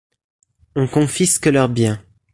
On confisque leurs biens.